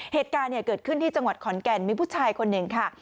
เหตุการณ์เกิดขึ้นที่จังหวัดขอนแก่นมีผู้ชายคนหนึ่งค่ะ